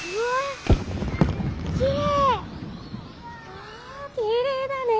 わあきれいだね。